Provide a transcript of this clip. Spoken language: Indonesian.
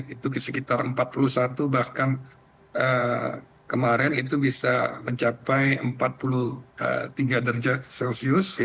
itu sekitar empat puluh satu bahkan kemarin itu bisa mencapai empat puluh tiga derajat celcius